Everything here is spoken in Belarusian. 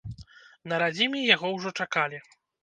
На радзіме яго ўжо чакалі.